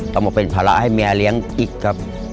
ต้องมาเป็นภาระให้เมียเลี้ยงอีกครับ